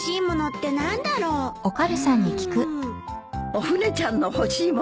おフネちゃんの欲しい物？